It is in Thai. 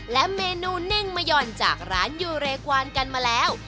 และเมนูเน่งมะหย่อนจากร้านยูเรกวานกันมาแล้ว